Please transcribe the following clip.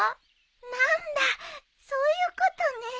何だそういうことね。